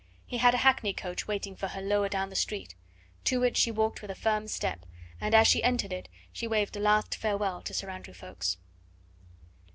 He had a hackney coach waiting for her lower down the street. To it she walked with a firm step, and as she entered it she waved a last farewell to Sir Andrew Ffoulkes.